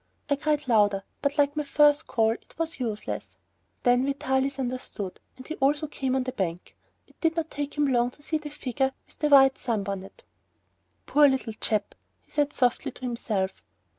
I cried louder, but like my first call it was useless. Then Vitalis understood, and he also came up on the bank. It did not take him long to see the figure with the white sunbonnet. "Poor little chap," he said softly to himself.